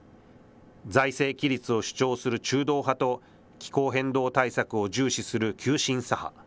財政規律を主張する中道派と、気候変動対策を重視する急進左派。